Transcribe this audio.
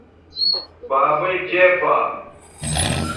بابئ چےپا